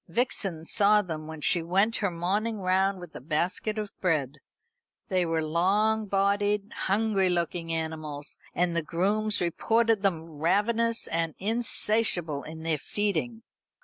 Vixen saw them when she went her morning round with a basket of bread. They were long bodied, hungry looking animals; and the grooms reported them ravenous and insatiable in their feeding.